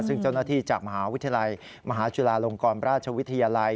ซึ่งเจ้าหน้าที่จากมหาวิทยาลัยมหาจุฬาลงกรราชวิทยาลัย